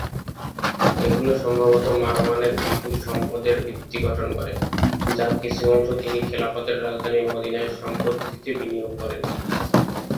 এগুলো সম্ভবত মারওয়ানের বিপুল সম্পদের ভিত্তি গঠন করে, যার কিছু অংশ তিনি খিলাফতের রাজধানী মদীনায় সম্পত্তিতে বিনিয়োগ করেন।